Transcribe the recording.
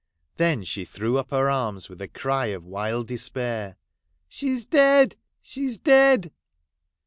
Then she threw up IKT arms with a cry of wild despair. ' She is dead ! she is dead